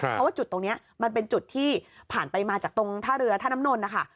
เพราะว่าจุดตรงนี้มันเป็นจุดที่ผ่านไปมาจากตรงท่าเรือท่าน้ำนนนะคะ